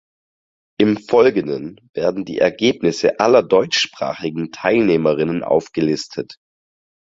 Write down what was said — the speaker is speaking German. Im Folgenden werden die Ergebnisse aller Deutschsprachigen Teilnehmerinnen aufgelistet.